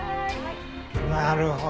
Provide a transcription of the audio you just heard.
なるほど。